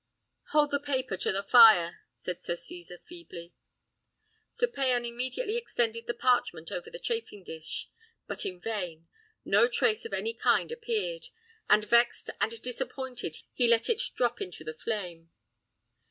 "Hold the paper to the fire!" said Sir Cesar, feebly. Sir Payan immediately extended the parchment over the chafing dish, but in vain; no trace of any kind appeared, and vexed and disappointed he let it drop into the flame.